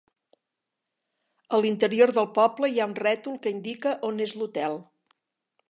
A l'interior del poble hi ha un rètol que indica on és l'hotel.